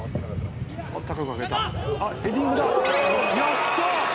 やった！